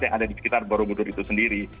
yang ada di sekitar borobudur itu sendiri